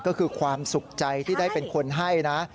ก็คือความสุขใจที่ได้เป็นคนให้นะ